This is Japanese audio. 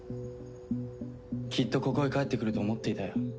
きっとここへ帰ってくると思っていたよ。